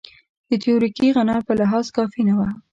د تیوریکي غنا په لحاظ کافي نه وي.